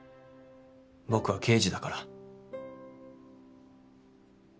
僕は刑事だから。